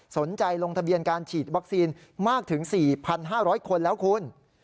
ลงทะเบียนการฉีดวัคซีนมากถึง๔๕๐๐คนแล้วคุณ